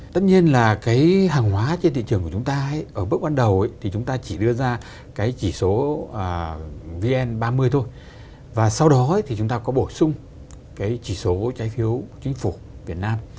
tất nhiên là cái hàng hóa trên thị trường của chúng ta ở bước ban đầu thì chúng ta chỉ đưa ra cái chỉ số vn ba mươi thôi và sau đó thì chúng ta có bổ sung cái chỉ số trái phiếu chính phủ việt nam